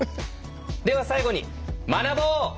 では最後に学ぼう！